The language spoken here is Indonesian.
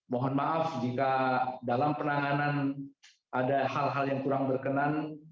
mohon maaf jika dalam penanganan ada hal hal yang kurang berkenan